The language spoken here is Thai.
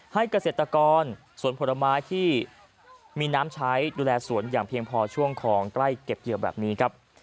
เกษตรกรสวนผลไม้ที่มีน้ำใช้ดูแลสวนอย่างเพียงพอช่วงของใกล้เก็บเกี่ยวแบบนี้ครับ